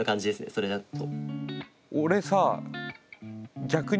それだと。